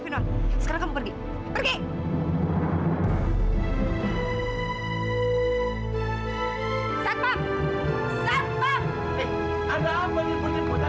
terima kasih ya om